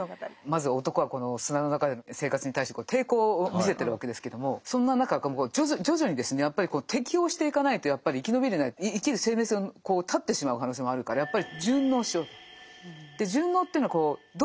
まず男はこの砂の中での生活に対して抵抗を見せてるわけですけどもそんな中徐々にですねやっぱり適応していかないとやっぱり生き延びれない生きる生命線を絶ってしまう可能性もあるからやっぱり順応しようと。